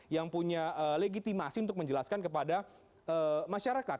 yang punya legitimasi untuk menjelaskan kepada masyarakat